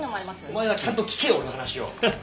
お前はちゃんと聞けよ俺の話を。